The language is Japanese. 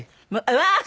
うわー！